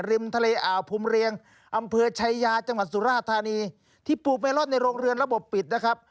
ริมทะเลอ่าวภูมิเรียงอำเภอชายาจังหวัดสุราธานีที่ปลูกเมลอนในโรงเรือนระบบปิดนะครับ